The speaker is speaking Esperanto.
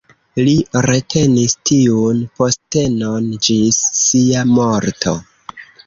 Li retenis tiun postenon ĝis sia morto.